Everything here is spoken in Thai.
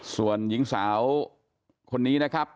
ส่วนหญิงสาวคนนี้นะครับ